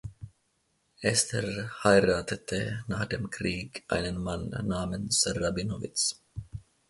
Esther heiratete nach dem Krieg einen Mann namens Rabinowitz.